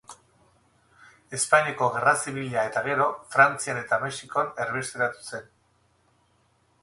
Espainiako Gerra Zibila eta gero, Frantzian eta Mexikon erbesteratu zen.